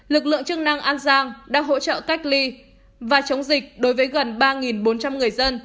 lực lượng chức năng an giang đã hỗ trợ cách ly và chống dịch đối với gần ba bốn trăm linh người dân